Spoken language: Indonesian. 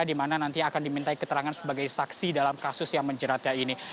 di mana nanti akan dimintai keterangan sebagai saksi dalam kasus yang menjeratnya ini